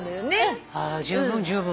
あ十分十分。